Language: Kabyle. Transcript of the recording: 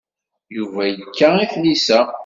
Yuba yekka i tlisa.